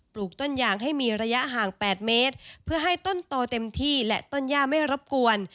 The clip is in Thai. ลูกต้นยางให้มีระยะห่าง๘เมตรเพื่อให้ต้นโตเต็มที่และต้นย่าไม่รบกวน